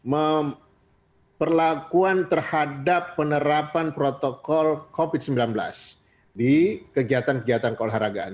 ini menjadi benchmark kita untuk memperlakukan terhadap penerapan protokol covid sembilan belas di kegiatan kegiatan keolahragaan